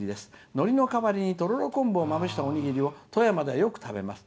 のりの代わりにとろろ昆布をまぶしたおにぎりを富山ではよく食べます